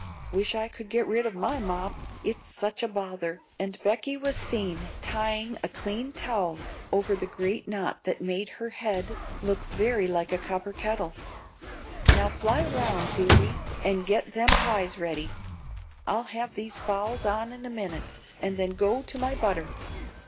Wish I could get rid of my mop, it's such a bother;" and Becky was seen tying a clean towel over the great knot that made her head look very like a copper kettle. "Now fly round, deary, and get them pies ready. I'll have these fowls on in a minute, and then go to my butter.